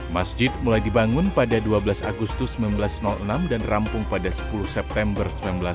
masjid mulai dibangun pada dua belas agustus seribu sembilan ratus enam dan rampung pada sepuluh september seribu sembilan ratus empat puluh